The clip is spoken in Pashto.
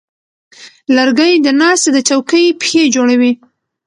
لرګی د ناستې د چوکۍ پښې جوړوي.